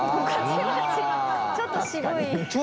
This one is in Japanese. ちょっと渋い。